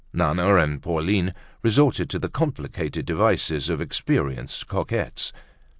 Nana and Pauline resorted to the complicated devices of experienced coquettes.